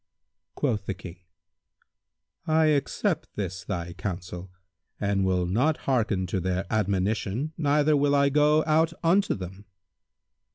Quoth the King, "I accept this thy counsel and will not hearken to their admonition neither will I go out unto them."